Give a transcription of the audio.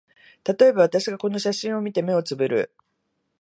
たとえば、私がこの写真を見て、眼をつぶる